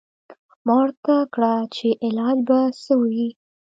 ما ورته کړه چې علاج به څه وي.